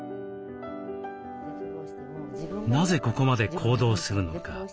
なぜここまで行動するのか